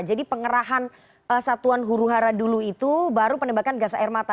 jadi pengerahan satuan huruhara dulu itu baru penembakan gas air mata